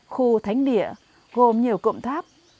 khu thánh địa gồm nhiều cụm tháp